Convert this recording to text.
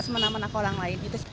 kita menaman menakan orang lain